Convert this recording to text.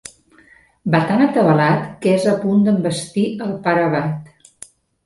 Va tan atabalat que és a punt d'envestir el pare abat.